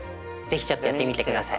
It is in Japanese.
是非ちょっとやってみてください。